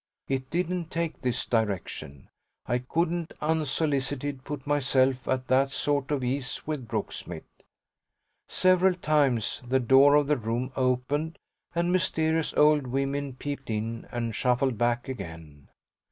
It didn't take this direction I couldn't, unsolicited, put myself at that sort of ease with Brooksmith. Several times the door of the room opened and mysterious old women peeped in and shuffled back again.